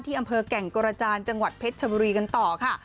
อำเภอแก่งกระจานจังหวัดเพชรชบุรีกันต่อค่ะ